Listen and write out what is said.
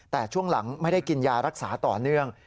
แต่ช่วงหลังไม่ได้กินยารักษาต่อเนื่อง